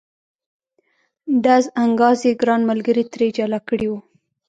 ډز انګاز یې ګران ملګري ترې جلا کړی و.